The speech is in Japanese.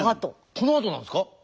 このあとなんすか⁉